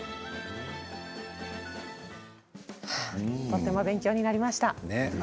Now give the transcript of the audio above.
とても勉強になりました。